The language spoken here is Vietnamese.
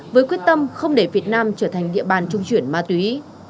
với quyết tâm không để việt nam trở thành địa bàn trung chuyển ma túy